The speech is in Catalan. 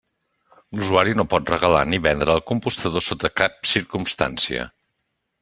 L'usuari no pot regalar ni vendre el compostador sota cap circumstància.